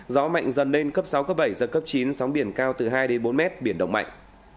gió mạnh dần lên cấp sáu cấp bảy giật cấp chín sóng biển cao từ hai đến bốn mét biển động mạnh